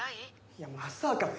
いやまさか！